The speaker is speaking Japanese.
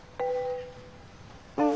うん。